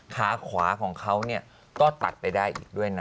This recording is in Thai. ขาขวาของเขาก็ตัดไปได้อีกด้วยนะ